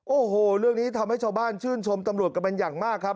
โอ้โหเรื่องนี้ทำให้ชาวบ้านชื่นชมตำรวจกันเป็นอย่างมากครับ